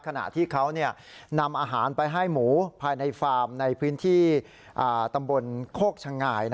ขณะที่เขานำอาหารไปให้หมูภายในฟาร์มในพื้นที่ตำบลโคกชะงาย